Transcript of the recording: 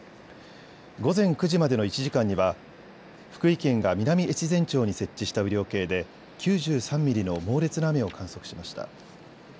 午前９時までの１時間には福井県が南越前町に設置した雨量計でで９３ミリの猛烈な雨を観測しました。